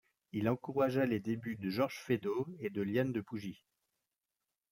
Il encouragea les débuts de Georges Feydeau et de Liane de Pougy.